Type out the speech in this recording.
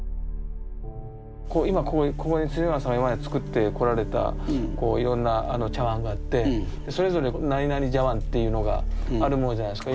今ここに村さん今まで作ってこられたこういろんな茶碗があってそれぞれ何々茶碗っていうのがあるものじゃないすか。